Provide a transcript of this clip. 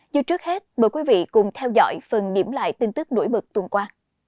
nhưng trước hết mời quý vị cùng theo dõi phần điểm lại tin tức nổi bật tuần qua